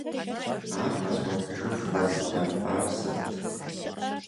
Ар къэзгъуэтыжыху къэзбэмпӏар сыт?!